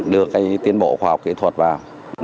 đưa tiến bộ khoa học kỹ thuật vào